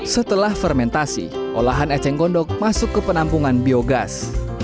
setelah fermentasi olahan eceng gondok masuk ke penampungan biogas